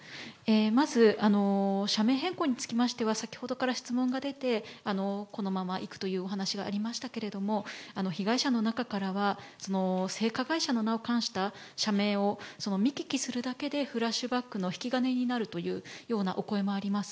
まず、社名変更につきましては、先ほどから質問が出て、このままいくというお話がありましたけれども、被害者の中からは、性加害者の名を冠した社名を見聞きするだけでフラッシュバックの引き金になるというようなお声もあります。